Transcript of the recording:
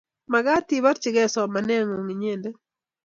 Makat iporchikey somanet ng'ung inyendet.